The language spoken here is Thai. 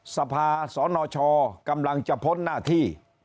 สภาสนชกำลังจะพ้นหน้าที่